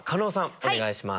お願いします。